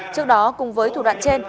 trước đó cùng với thủ đoạn trên